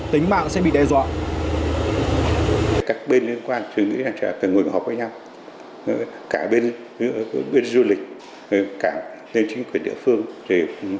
tính mạng sẽ bị đe dọa